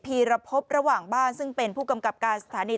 ีรพบระหว่างบ้านซึ่งเป็นผู้กำกับการสถานี